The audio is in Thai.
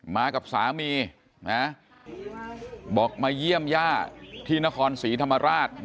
มากับสามีนะบอกมาเยี่ยมย่าที่นครศรีธรรมราช